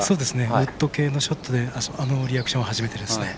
ウッド系のショットであのリアクションは初めてです。